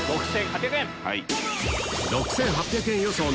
６８００円！